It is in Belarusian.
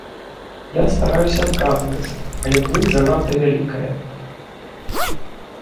Я стараюся адказваць, але плынь занадта вялікая.